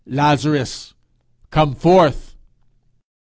Lazarus, come forth.'